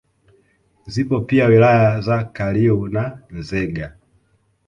Zipo pia wilaya za Kaliua na Nzega